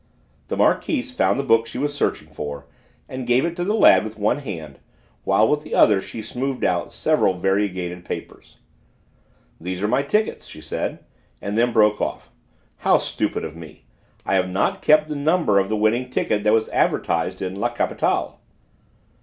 The Marquise found the book she was searching for and gave it to the lad with one hand while with the other she smoothed out several variegated papers. "These are my tickets," she said, and then broke off. "How stupid of me! I have not kept the number of the winning ticket that was advertised in La Capitale."